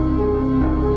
tidak ada yang tahu